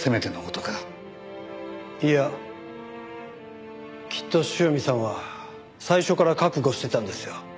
いやきっと塩見さんは最初から覚悟してたんですよ。